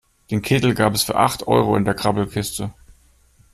Den Kittel gab es für acht Euro in der Grabbelkiste.